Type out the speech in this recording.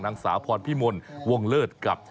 นางสาวพรพิมลวงเลิศกับ